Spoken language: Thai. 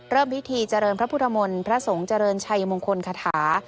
พิธีเจริญพระพุทธมนต์พระสงฆ์เจริญชัยมงคลคาถา